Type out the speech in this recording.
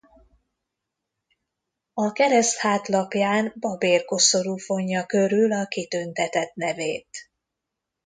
A kereszt hátlapján babérkoszorú fonja körül a kitüntetett nevét.